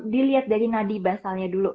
dilihat dari nadi basalnya dulu